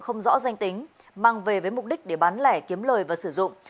không rõ danh tính mang về với mục đích để bán lẻ kiếm lời và sử dụng